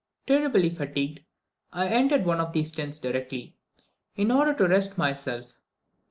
Terribly fatigued, I entered one of the tents directly, in order to rest myself.